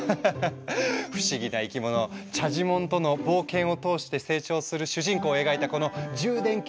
不思議な生き物チャジモンとの冒険を通して成長する主人公を描いたこの充電系